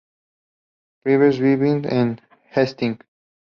Priest vive en Hastings.